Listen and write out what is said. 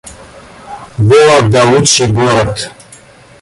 Вологда — лучший город